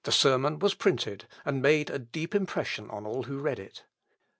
This sermon was printed, and made a deep impression on all who read it.